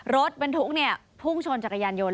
รถปันทุกเนี่ยภุ่งชนจักรยานยนต์